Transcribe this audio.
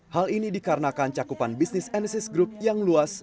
hal ini dikarenakan cakupan bisnis enesis group yang luas